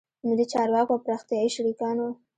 ملي چارواکو او پراختیایي شریکانو